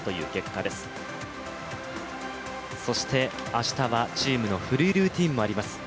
明日はチームのフリールーティンもあります。